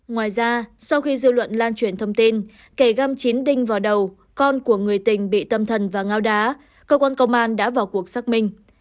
ngoài ra sau khi dư luận lan truyền thông tin kẻ găm chín đinh vào đầu con của người tình bị tâm thần và ngao đá cơ quan công an đã vào cuộc xác minh